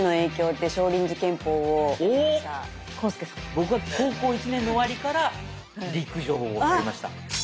僕は高校１年の終わりから陸上をやりました。